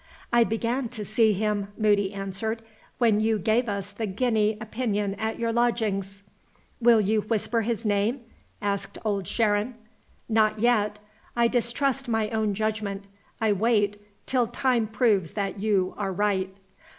"I began to see him," Moody answered, "when you gave us the guinea opinion at your lodgings." "Will you whisper his name?" asked Old Sharon. "Not yet. I distrust my own judgment. I wait till time proves that you are right."